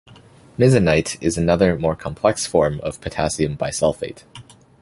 Misenite is another, more complex, form of potassium bisulfate.